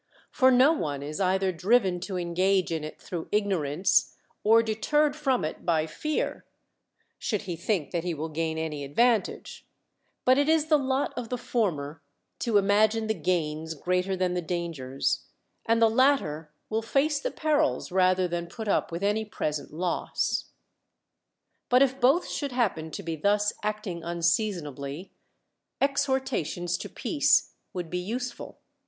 For no one is either driven to engage in it through ignorance, or deterred from it by fear, should lie think that he will gain any advantage; but it is the lot of the former to imagine the gains greater than the dangers; and the latter will face the perils rather than put up with any present loss. But if both should happen to be thus acting un seasonably, exhortations to peace would be use i'ul.